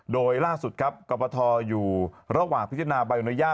โดยล่าสุดครับกรปทอยู่ระหว่างพิจารณาใบอนุญาต